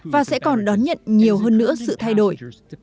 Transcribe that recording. và sẽ còn đón nhận nhiều hơn nữa sự thay đổi